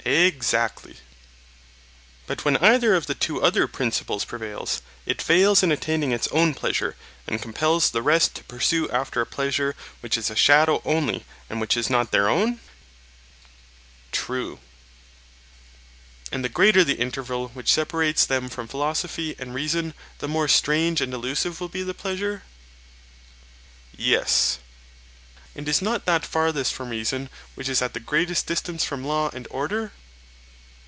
Exactly. But when either of the two other principles prevails, it fails in attaining its own pleasure, and compels the rest to pursue after a pleasure which is a shadow only and which is not their own? True. And the greater the interval which separates them from philosophy and reason, the more strange and illusive will be the pleasure? Yes. And is not that farthest from reason which is at the greatest distance from law and order?